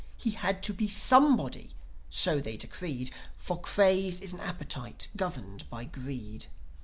He had to be Somebody, so they decreed. For Craze is an appetite, governed by Greed.